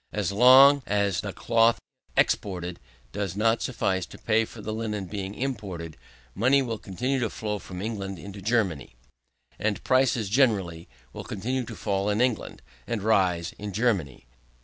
As long As the cloth exported does not suffice to pay for the linen imported, money will continue to flow from England into Germany, and prices generally will continue to fall in England, and rise in Germany.